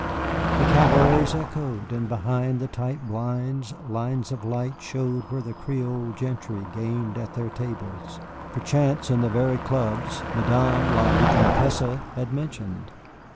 The cabarets echoed, and behind the tight blinds lines of light showed where the Creole gentry gamed at their tables, perchance in the very clubs Madame la Vicomtesse had mentioned.